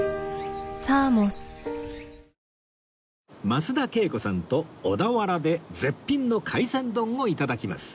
増田惠子さんと小田原で絶品の海鮮丼を頂きます